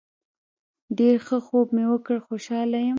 ډیر ښه خوب مې وکړ خوشحاله یم